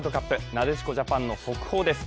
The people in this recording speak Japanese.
なでしこジャパンの速報です。